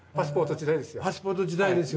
パスポート時代ですよ。